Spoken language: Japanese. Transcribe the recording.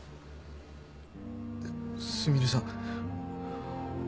すみれさん。